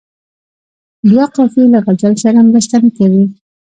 دوه قافیې له غزل سره مرسته نه کوي.